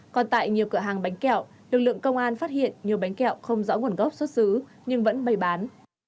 còn tại nhiều cửa hàng bánh kẹo lực lượng công an phát hiện nhiều bánh kẹo không rõ nguồn gốc xuất xứ nhưng vẫn bày bán